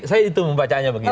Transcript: saya itu membacanya begitu